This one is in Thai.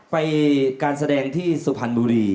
ไปการแสดงที่สุพรรณบุรี